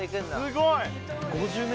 すごい！